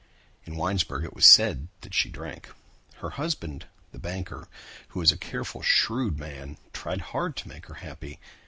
In Winesburg it was said that she drank. Her husband, the banker, who was a careful, shrewd man, tried hard to make her happy.